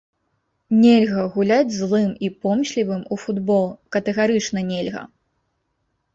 Нельга гуляць злым і помслівым у футбол, катэгарычна нельга!